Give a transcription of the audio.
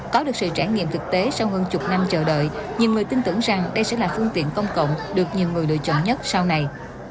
có được sự trải nghiệm thực tế sau hơn chục năm chờ đợi nhiều người tin tưởng rằng đây sẽ là phương tiện công cộng được nhiều người lựa chọn nhất sau này